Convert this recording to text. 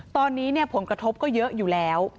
ตอนนี้ผลกระทบก็เยอะอยู่แล้ว